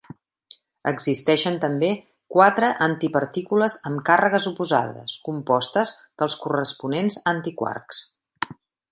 Existeixen també quatre antipartícules amb càrregues oposades, compostes dels corresponents antiquarks.